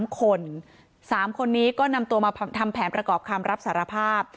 ๓คน๓คนนี้ก็นำตัวมาทำแผนประกอบคำรับสารภาพ